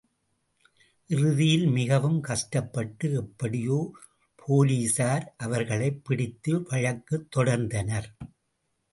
இறுதியில் மிகவும் கஷ்டப்பட்டு எப்படியோ போலீசார் அவர்களைப் பிடித்து வழக்குத் தொடர்ந்தனர்.